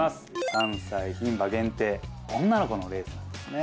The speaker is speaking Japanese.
３歳牝馬限定女の子のレースなんですね